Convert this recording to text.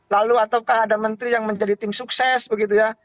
lalu ataukah ada menteri yang menjadi tim sukses begitu ya